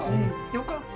よかった。